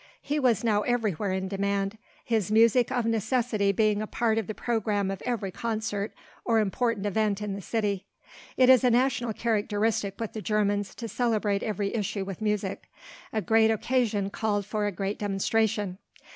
He was now everywhere in demand, his music of necessity being a part of the programme of every concert or important event in the City. It is a national characteristic with the Germans to celebrate every issue with music. A great occasion called for a great demonstration.